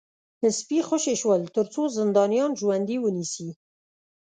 سپي خوشي شول ترڅو زندانیان ژوندي ونیسي